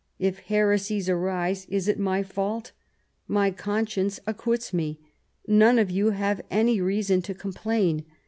If heresies arise, is it my fault 1 My con science acquits me. None of you have any reason to complain.